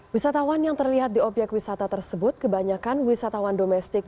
wisatawan yang terlihat di obyek wisata tersebut kebanyakan wisatawan domestik